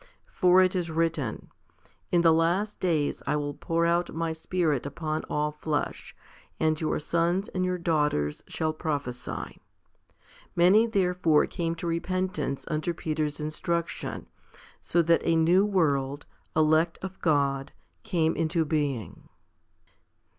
60 FIFTY SPIRITUAL HOMILIES For it is written, In the last days I will pour out of My Spirit upon all flesh, and your sons and your daughters shall prophesy" l Many, therefore, came to repentance under Peter's instruction, so that a new world, elect of God, came into being.